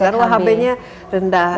terus hb nya rendah